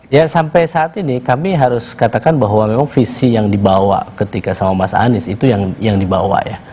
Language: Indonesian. ya sampai saat ini kami harus katakan bahwa memang visi yang dibawa ketika sama mas anies itu yang dibawa ya